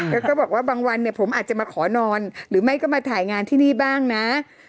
แล้วก็บอกว่าบางวันเนี่ยผมอาจจะมาขอนอนหรือไม่ก็มาถ่ายงานที่นี่บ้างนะ